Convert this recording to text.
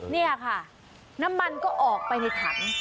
นี่ค่ะน้ำมันก็ออกไปในถัง